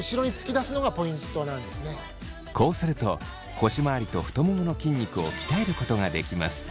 こうすると腰まわりと太ももの筋肉を鍛えることができます。